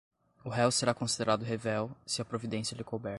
o réu será considerado revel, se a providência lhe couber;